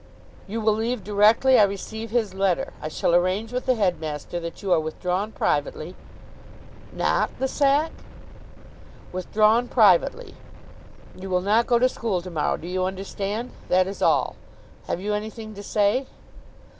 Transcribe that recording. "You will leave directly I receive his letter. I shall arrange with the headmaster that you are withdrawn privately " "Not the sack?" "Withdrawn privately. You will not go to school to morrow. Do you understand? That is all. Have you anything to say?"